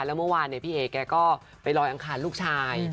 แล้วเมื่อวานพี่เอ๋แกก็ไปลอยอังคารลูกชาย